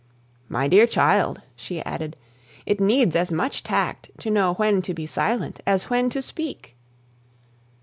"My dear child," she added, "it needs as much tact to know when to be silent as when to speak."